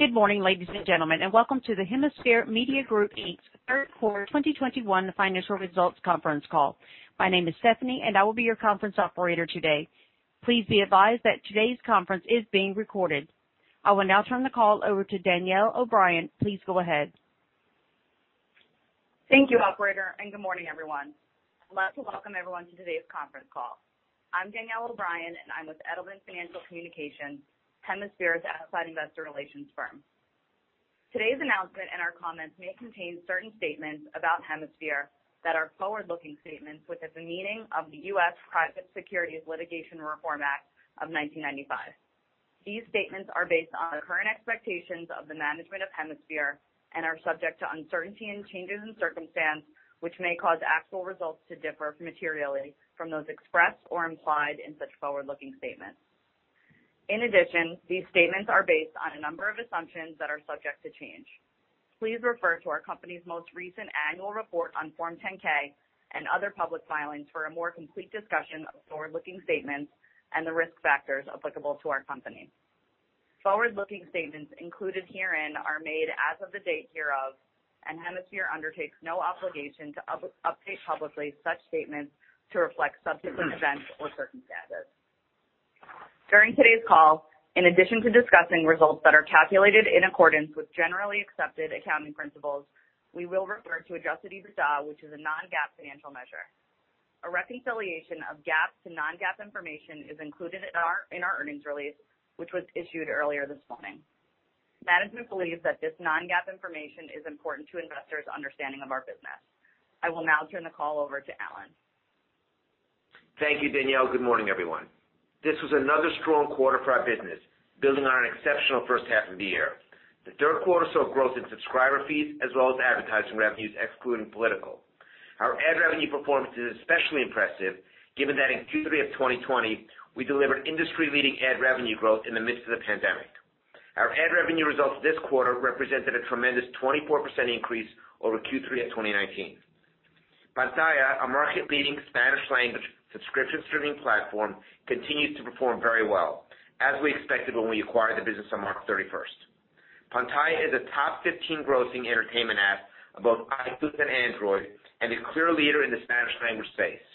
Good morning, ladies and gentlemen, and welcome to the Hemisphere Media Group, Inc.'s third quarter 2021 financial results conference call. My name is Stephanie, and I will be your conference operator today. Please be advised that today's conference is being recorded. I will now turn the call over to Danielle O'Brien. Please go ahead. Thank you, operator, good morning, everyone. I'd like to welcome everyone to today's conference call. I'm Danielle O'Brien, and I'm with Edelman Financial Communications, Hemisphere's outside investor relations firm. Today's announcement and our comments may contain certain statements about Hemisphere that are forward-looking statements within the meaning of the U.S. Private Securities Litigation Reform Act of 1995. These statements are based on the current expectations of the management of Hemisphere and are subject to uncertainty and changes in circumstance, which may cause actual results to differ materially from those expressed or implied in such forward-looking statements. In addition, these statements are based on a number of assumptions that are subject to change. Please refer to our company's most recent annual report on Form 10-K and other public filings for a more complete discussion of forward-looking statements and the risk factors applicable to our company. Forward-looking statements included herein are made as of the date hereof. Hemisphere undertakes no obligation to update publicly such statements to reflect subsequent events or circumstances. During today's call, in addition to discussing results that are calculated in accordance with generally accepted accounting principles, we will refer to Adjusted EBITDA, which is a non-GAAP financial measure. A reconciliation of GAAP to non-GAAP information is included in our earnings release, which was issued earlier this morning. Management believes that this non-GAAP information is important to investors' understanding of our business. I will now turn the call over to Alan. Thank you, Danielle. Good morning, everyone. This was another strong quarter for our business, building on an exceptional first half of the year. The third quarter saw growth in subscriber fees as well as advertising revenues excluding political. Our ad revenue performance is especially impressive given that in Q3 of 2020, we delivered industry-leading ad revenue growth in the midst of the pandemic. Our ad revenue results this quarter represented a tremendous 24% increase over Q3 of 2019. Pantaya, a market-leading Spanish-language subscription streaming platform, continues to perform very well, as we expected when we acquired the business on March 31st. Pantaya is a top 15 grossing entertainment app on both iPhone and Android, and a clear leader in the Spanish-language space.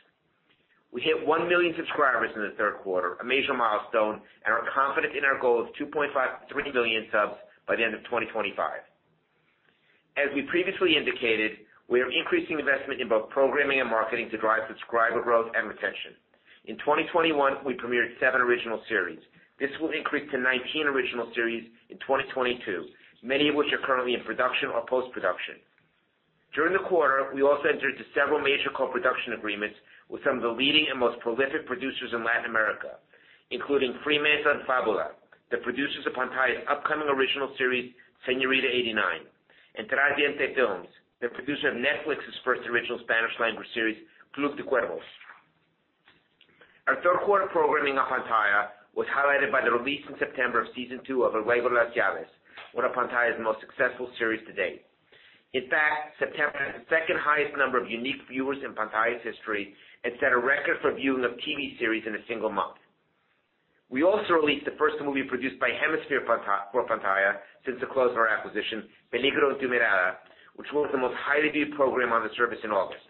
We hit 1 million subscribers in the third quarter, a major milestone, and are confident in our goal of 2.5 million-3 million subs by the end of 2025. As we previously indicated, we are increasing investment in both programming and marketing to drive subscriber growth and retention. In 2021, we premiered seven original series. This will increase to 19 original series in 2022, many of which are currently in production or post-production. During the quarter, we also entered into several major co-production agreements with some of the leading and most prolific producers in Latin America, including Fremantle and Fabula, the producers of Pantaya's upcoming original series, Señorita 89, and Traziende Films, the producer of Netflix's first original Spanish-language series, Club de Cuervos. Our third quarter programming on Pantaya was highlighted by the release in September of Season two of El juego de las llaves, one of Pantaya's most successful series to date. In fact, September had the second highest number of unique viewers in Pantaya's history and set a record for viewing of TV series in a single month. We also released the first movie produced by Hemisphere for Pantaya since the close of our acquisition, Peligro en tu mirada, which was the most highly viewed program on the service in August.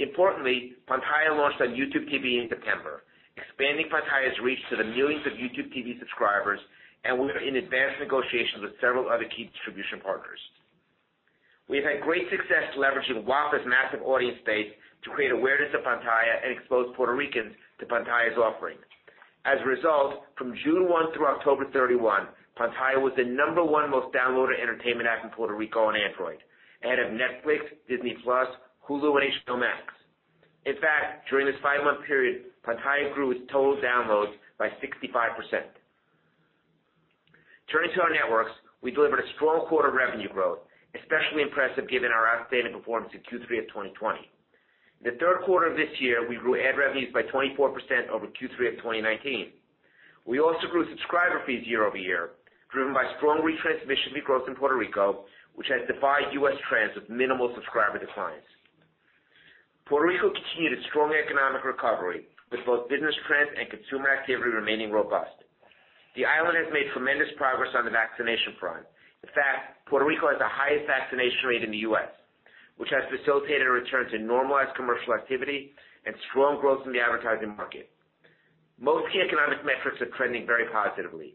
Importantly, Pantaya launched on YouTube TV in September, expanding Pantaya's reach to the millions of YouTube TV subscribers, and we're in advanced negotiations with several other key distribution partners. We have had great success leveraging WAPA's massive audience space to create awareness of Pantaya and expose Puerto Ricans to Pantaya's offering. As a result, from June 1st through October 31st, Pantaya was the number one most downloaded entertainment app in Puerto Rico on Android, ahead of Netflix, Disney+, Hulu, and HBO Max. In fact, during this five-month period, Pantaya grew its total downloads by 65%. Turning to our networks, we delivered a strong quarter revenue growth, especially impressive given our outstanding performance in Q3 of 2020. In the third quarter of this year, we grew ad revenues by 24% over Q3 of 2019. We also grew subscriber fees year-over-year, driven by strong retransmission fee growth in Puerto Rico, which has defied U.S. trends with minimal subscriber declines. Puerto Rico continued its strong economic recovery, with both business trends and consumer activity remaining robust. The island has made tremendous progress on the vaccination front. In fact, Puerto Rico has the highest vaccination rate in the U.S., which has facilitated a return to normalized commercial activity and strong growth in the advertising market. Most key economic metrics are trending very positively.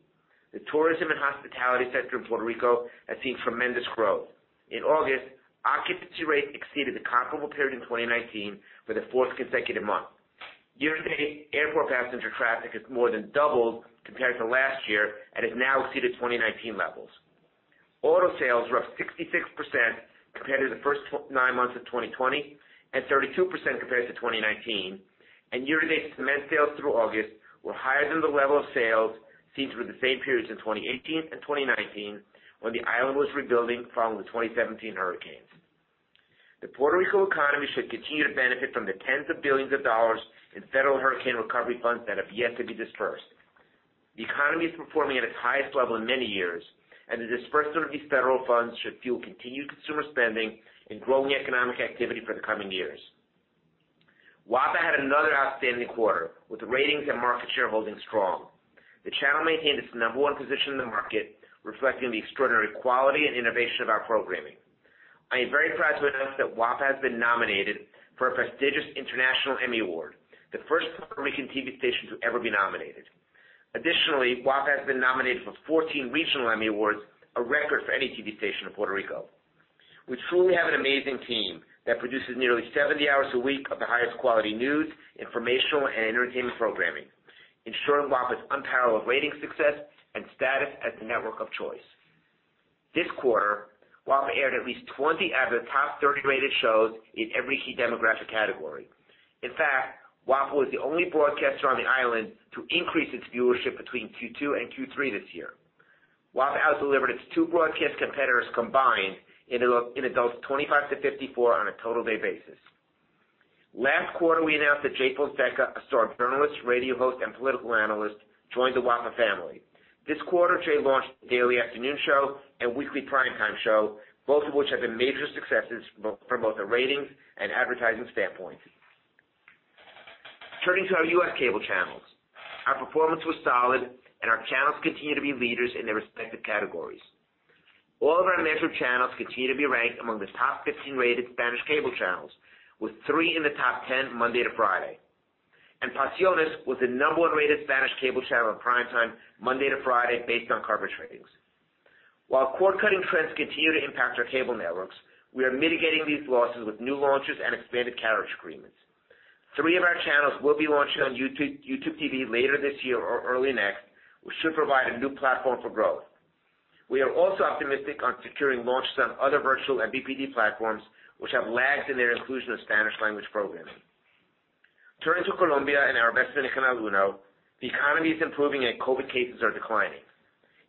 The tourism and hospitality sector in Puerto Rico has seen tremendous growth. In August, occupancy rates exceeded the comparable period in 2019 for the fourth consecutive month. Year-to-date, airport passenger traffic has more than doubled compared to last year and has now exceeded 2019 levels. Auto sales were up 66% compared to the first nine months of 2020 and 32% compared to 2019. Year-to-date cement sales through August were higher than the level of sales seen through the same periods in 2018 and 2019, when the island was rebuilding following the 2017 hurricanes. The Puerto Rico economy should continue to benefit from the tens of billions of dollars in federal hurricane recovery funds that have yet to be disbursed. The economy is performing at its highest level in many years, and the disbursement of these federal funds should fuel continued consumer spending and growing economic activity for the coming years. WAPA had another outstanding quarter with ratings and market share holding strong. The channel maintained its number one position in the market, reflecting the extraordinary quality and innovation of our programming. I am very proud to announce that WAPA has been nominated for a prestigious International Emmy Award, the first Puerto Rican TV station to ever be nominated. Additionally, WAPA has been nominated for 14 regional Emmy Awards, a record for any TV station in Puerto Rico. We truly have an amazing team that produces nearly 70 hours a week of the highest quality news, informational, and entertainment programming, ensuring WAPA's unparalleled rating success and status as the network of choice. This quarter, WAPA aired at least 20 out of the top 30 rated shows in every key demographic category. In fact, WAPA was the only broadcaster on the island to increase its viewership between Q2 and Q3 this year. WAPA has delivered its two broadcast competitors combined in adults 25 to 54 on a total day basis. Last quarter, we announced that Jay Fonseca, a star journalist, radio host, and political analyst, joined the WAPA family. This quarter, Jay launched a daily afternoon show and weekly primetime show, both of which have been major successes from both a ratings and advertising standpoint. Turning to our U.S. cable channels. Our performance was solid, and our channels continue to be leaders in their respective categories. All of our measured channels continue to be ranked among the top 15 rated Spanish cable channels, with three in the top 10 Monday to Friday. Pasiones was the number one rated Spanish cable channel in primetime Monday to Friday based on C3 ratings. While cord-cutting trends continue to impact our cable networks, we are mitigating these losses with new launches and expanded carriage agreements. Three of our channels will be launching on YouTube TV later this year or early next, which should provide a new platform for growth. We are also optimistic on securing launches on other vMVPD platforms which have lagged in their inclusion of Spanish language programming. Turning to Colombia and our investment in Canal 1, the economy is improving and COVID cases are declining.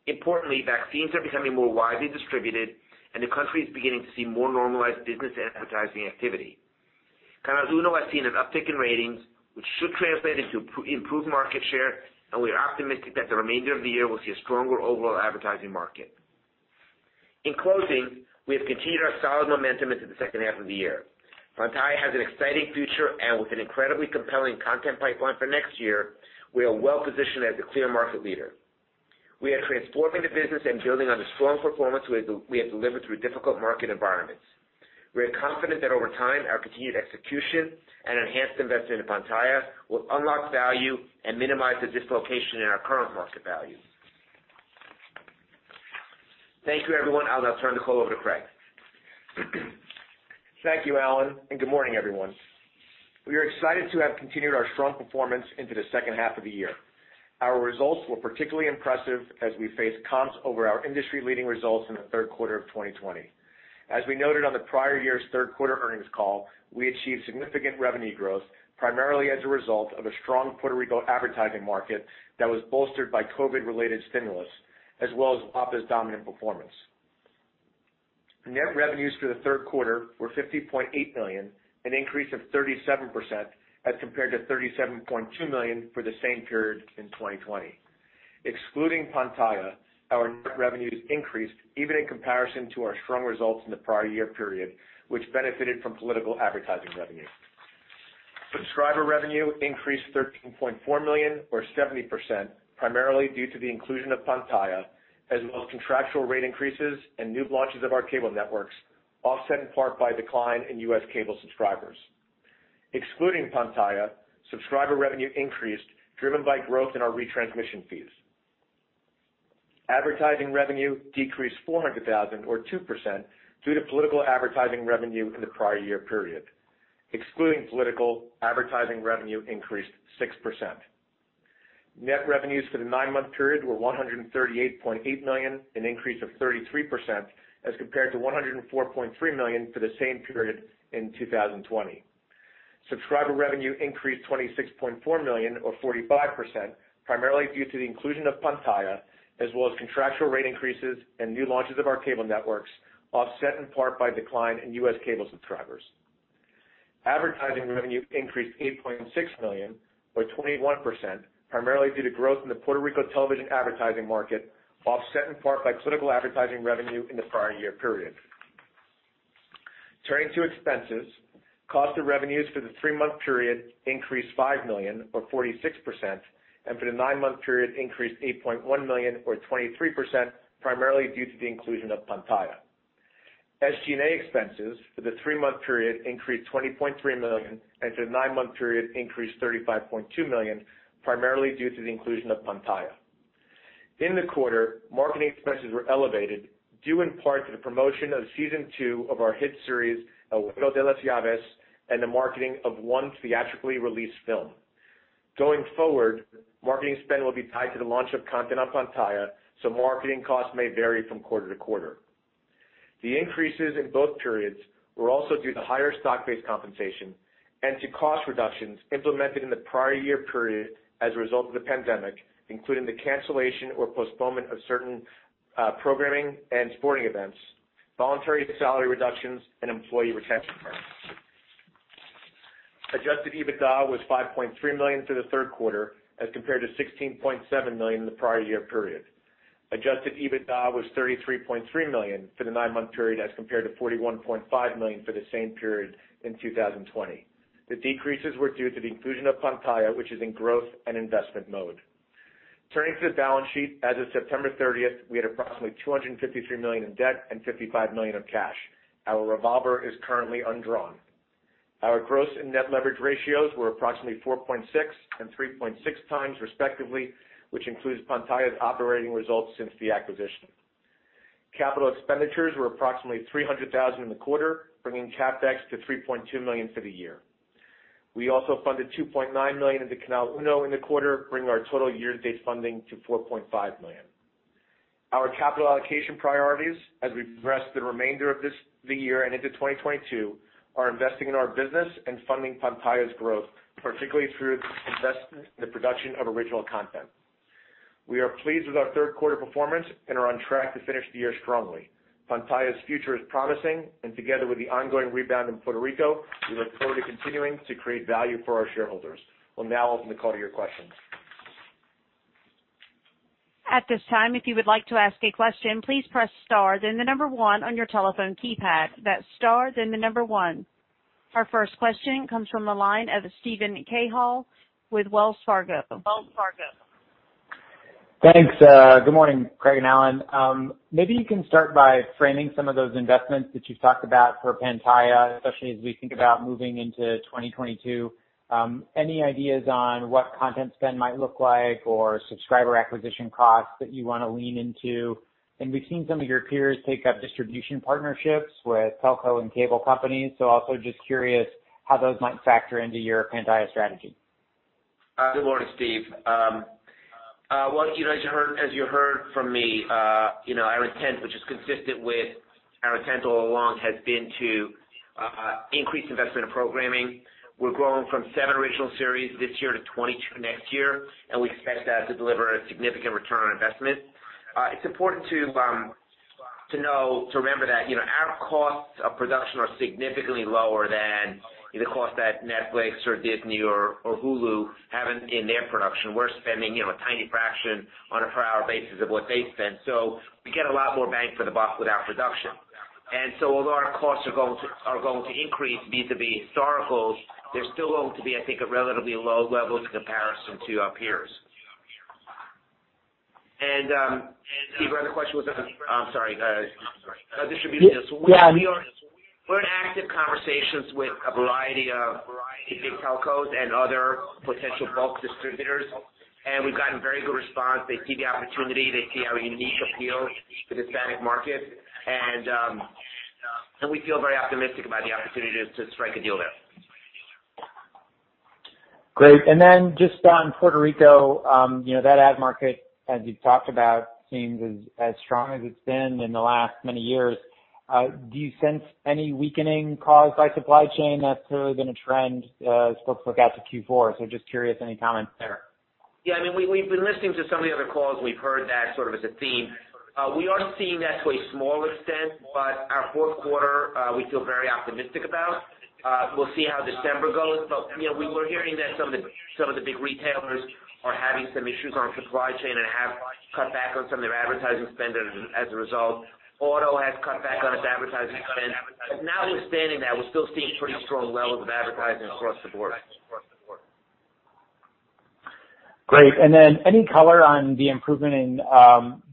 Importantly, vaccines are becoming more widely distributed, and the country is beginning to see more normalized business advertising activity. Canal 1 has seen an uptick in ratings, which should translate into improved market share, and we are optimistic that the remainder of the year will see a stronger overall advertising market. In closing, we have continued our solid momentum into the second half of the year. Pantaya has an exciting future, and with an incredibly compelling content pipeline for next year, we are well positioned as the clear market leader. We are transforming the business and building on the strong performance we have delivered through difficult market environments. We are confident that over time, our continued execution and enhanced investment in Pantaya will unlock value and minimize the dislocation in our current market value. Thank you, everyone. I'll now turn the call over to Craig. Thank you, Alan, good morning, everyone. We are excited to have continued our strong performance into the second half of the year. Our results were particularly impressive as we face comps over our industry-leading results in the third quarter of 2020. As we noted on the prior year's third quarter earnings call, we achieved significant revenue growth, primarily as a result of a strong Puerto Rico advertising market that was bolstered by COVID-related stimulus as well as WAPA's dominant performance. Net revenues for the third quarter were $50.8 million, an increase of 37% as compared to $37.2 million for the same period in 2020. Excluding Pantaya, our net revenues increased even in comparison to our strong results in the prior year period, which benefited from political advertising revenue. Subscriber revenue increased $13.4 million or 70%, primarily due to the inclusion of Pantaya, as well as contractual rate increases and new launches of our cable networks, offset in part by decline in U.S. cable subscribers. Excluding Pantaya, subscriber revenue increased, driven by growth in our retransmission fees. Advertising revenue decreased $400,000 or 2% due to political advertising revenue in the prior year period. Excluding political, advertising revenue increased 6%. Net revenues for the nine-month period were $138.8 million, an increase of 33% as compared to $104.3 million for the same period in 2020. Subscriber revenue increased $26.4 million or 45%, primarily due to the inclusion of Pantaya as well as contractual rate increases and new launches of our cable networks, offset in part by decline in U.S. cable subscribers. Advertising revenue increased $8.6 million or 21%, primarily due to growth in the Puerto Rico television advertising market, offset in part by political advertising revenue in the prior year period. Turning to expenses, cost of revenues for the three-month period increased $5 million or 46%, and for the nine-month period increased $8.1 million or 23%, primarily due to the inclusion of Pantaya. SG&A expenses for the three-month period increased $20 million, and for the nine-month period increased $35.2 million, primarily due to the inclusion of Pantaya. In the quarter, marketing expenses were elevated, due in part to the promotion of season two of our hit series, El Juego de las Llaves, and the marketing of one theatrically released film. Going forward, marketing spend will be tied to the launch of content on Pantaya, so marketing costs may vary from quarter to quarter. The increases in both periods were also due to higher stock-based compensation and to cost reductions implemented in the prior year period as a result of the pandemic, including the cancellation or postponement of certain programming and sporting events, voluntary salary reductions, and employee retention plans. Adjusted EBITDA was $5.3 million for the third quarter as compared to $16.7 million in the prior year period. Adjusted EBITDA was $33.3 million for the nine-month period as compared to $41.5 million for the same period in 2020. The decreases were due to the inclusion of Pantaya, which is in growth and investment mode. Turning to the balance sheet, as of September 30th, we had approximately $253 million in debt and $55 million of cash. Our revolver is currently undrawn. Our gross and net leverage ratios were approximately 4.6 and 3.6 times respectively, which includes Pantaya's operating results since the acquisition. Capital expenditures were approximately $300,000 in the quarter, bringing CapEx to $3.2 million for the year. We also funded $2.9 million into Canal 1 in the quarter, bringing our total year-to-date funding to $4.5 million. Our capital allocation priorities, as we address the remainder of the year and into 2022, are investing in our business and funding Pantaya's growth, particularly through investment in the production of original content. We are pleased with our third quarter performance and are on track to finish the year strongly. Pantaya's future is promising, and together with the ongoing rebound in Puerto Rico, we look forward to continuing to create value for our shareholders. We'll now open the call to your questions. At this time, if you would like to ask a question, please press star, then the number one on your telephone keypad. That's star, then the number one. Our first question comes from the line of Steven Cahall with Wells Fargo. Thanks. Good morning, Craig and Alan. Maybe you can start by framing some of those investments that you've talked about for Pantaya, especially as we think about moving into 2022. Any ideas on what content spend might look like or subscriber acquisition costs that you wanna lean into? We've seen some of your peers take up distribution partnerships with telco and cable companies. I'm also just curious how those might factor into your Pantaya strategy. Good morning, Steve. Well, you know, as you heard from me, you know, our intent, which is consistent with our intent all along, has been to increase investment in programming. We're growing from seven original series this year to 22 next year. We expect that to deliver a significant return on investment. It's important to know, to remember that, you know, our costs of production are significantly lower than the costs that Netflix or Disney or Hulu have in their production. We're spending, you know, a tiny fraction on a per hour basis of what they spend. We get a lot more bang for the buck with our production. Although our costs are going to increase vis-a-vis historicals, they're still going to be, I think, a relatively low level in comparison to our peers. Steve, the other question was on, sorry, distribution. Yeah. We're in active conversations with a variety of the big telcos and other potential bulk distributors. We've gotten very good response. They see the opportunity, they see our unique appeal to the Hispanic market. We feel very optimistic about the opportunity to strike a deal there. Great. Just on Puerto Rico, you know, that ad market, as you've talked about, seems as strong as it's been in the last many years. Do you sense any weakening caused by supply chain that's really been a trend as folks look out to Q4? Just curious, any comments there? Yeah, I mean, we've been listening to some of the other calls. We've heard that sort of as a theme. We are seeing that to a small extent, our fourth quarter, we feel very optimistic about. We'll see how December goes. You know, we were hearing that some of the big retailers are having some issues on supply chain and have cut back on some of their advertising spend as a result. Auto has cut back on its advertising spend. Notwithstanding that, we're still seeing pretty strong levels of advertising across the board. Great. Any color on the improvement in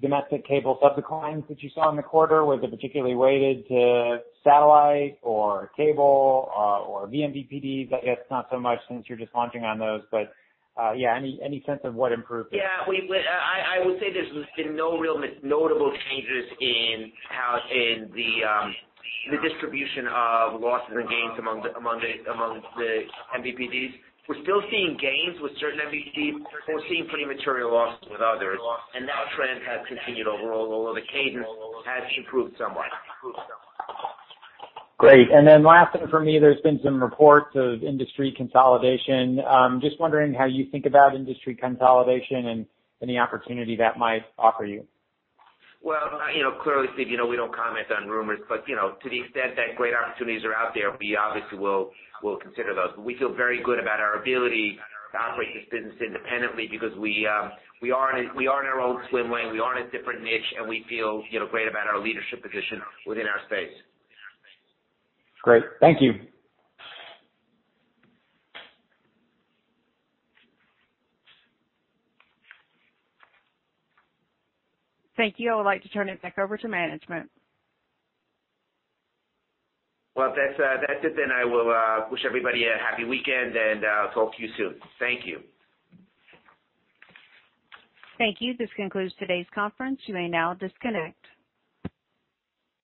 domestic cable subs declines that you saw in the quarter? Was it particularly weighted to satellite or cable or vMVPDs? I guess not so much since you're just launching on those. Yeah, any sense of what improved there? Yeah, I would say there's been no real notable changes in the distribution of losses and gains among the MVPDs. We're still seeing gains with certain MVPDs. We're seeing pretty material losses with others. That trend has continued overall, although the cadence has improved somewhat. Great. Then last one from me. There's been some reports of industry consolidation. Just wondering how you think about industry consolidation and any opportunity that might offer you? Well, you know, clearly, Steven, you know we don't comment on rumors, but, you know, to the extent that great opportunities are out there, we obviously will consider those. We feel very good about our ability to operate this business independently because we are in our own swim lane, we are in a different niche, and we feel, you know, great about our leadership position within our space. Great. Thank you. Thank you. I would like to turn it back over to management. Well, if that's it, then I will wish everybody a happy weekend, and I'll talk to you soon. Thank you. Thank you. This concludes today's conference. You may now disconnect.